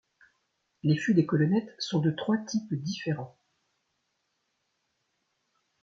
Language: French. Les fûts des colonnettes sont de trois types différents.